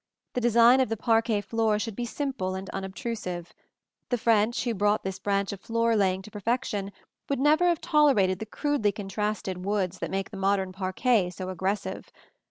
The design of the parquet floor should be simple and unobtrusive. The French, who brought this branch of floor laying to perfection, would never have tolerated the crudely contrasted woods that make the modern parquet so aggressive.